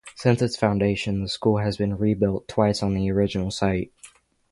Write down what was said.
Since its foundation the school has been rebuilt twice on the original site.